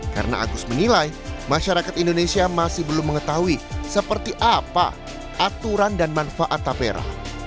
karena agus menilai masyarakat indonesia masih belum mengetahui seperti apa aturan dan manfaat tapera